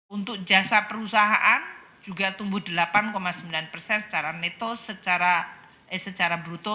untuk jasa perusahaan juga tumbuh delapan sembilan secara bruto